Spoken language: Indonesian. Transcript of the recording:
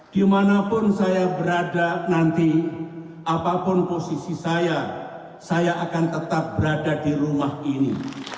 dimanapun saya berada nanti apapun posisi saya saya akan tetap berada di rumah ini